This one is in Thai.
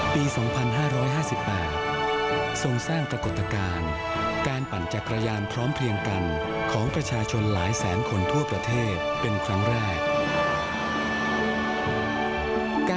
ปี๒๕๕๘ทรงสร้างปรากฏการณ์การปั่นจักรยานพร้อมเพียงกันของประชาชนหลายแสนคนทั่วประเทศเป็นครั้งแรก